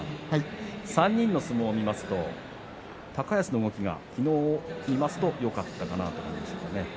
３人の相撲を見ますと高安の動きが昨日を見ますとよかったかなと思いますがね。